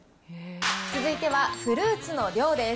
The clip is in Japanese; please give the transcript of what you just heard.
続いてはフルーツの量です。